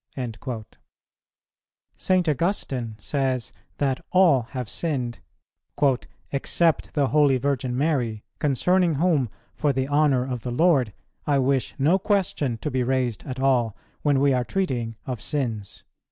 "[146:1] St. Augustine says that all have sinned "except the Holy Virgin Mary, concerning whom, for the honour of the Lord, I wish no question to be raised at all, when we are treating of sins."